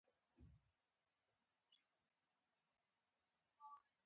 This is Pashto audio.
د پیرود ځای ته نوې رڼاګانې ولګول شوې.